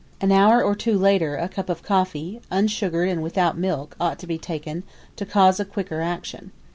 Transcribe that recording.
An hour or two later a cup of coffee, unsugared and without milk, ought to be taken, to cause a quicker action.